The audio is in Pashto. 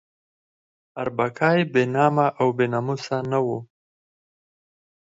اربکی بې نامه او بې ناموسه نه وو.